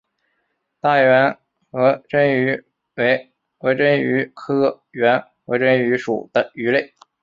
大圆颌针鱼为颌针鱼科圆颌针鱼属的鱼类。